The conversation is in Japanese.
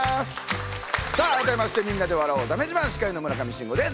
さあ改めましてみんなで笑おうだめ自慢司会の村上信五です。